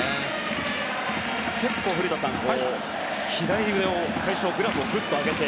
古田さん、左上を最初、グラブをグッと上げて。